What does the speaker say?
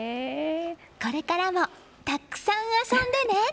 これからもたくさん遊んでね！